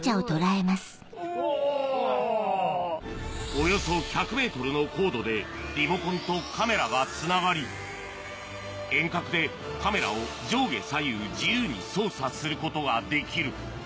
・およそ１００ｍのコードでリモコンとカメラがつながり遠隔でカメラを上下左右自由に操作することができる。